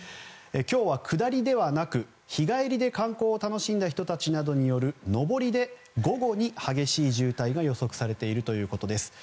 今日は下りではなく、日帰りで観光を楽しんだ人たちなどによる上りで、午後に激しい渋滞が予測されているということです。